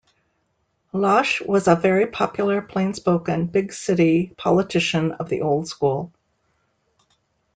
Lausche was a very popular, plain-spoken, big-city politician of the old school.